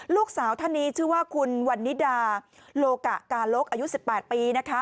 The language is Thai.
ลูกสาวท่านนี้ชื่อว่าคุณวันนิดาโลกะกาลกอายุ๑๘ปีนะคะ